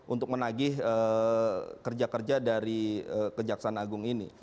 untuk menagih kerja kerja dari kejaksaan agung ini